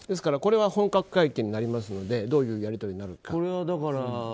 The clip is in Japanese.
これは本格会見になりますのでどういうやり取りになるか。